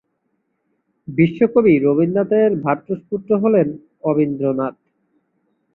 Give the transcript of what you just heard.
বিশ্বকবি রবীন্দ্রনাথের ভ্রাতুষ্পুত্র হলেন অবনীন্দ্রনাথ।